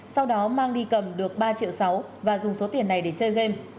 sau đó mang đi cầm được ba triệu sáu và dùng số tiền này để chơi game